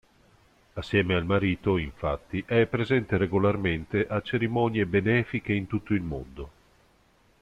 Assieme al marito, infatti, è presente regolarmente a cerimonie benefiche in tutto il mondo.